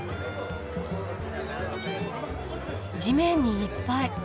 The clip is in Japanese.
地面にいっぱい。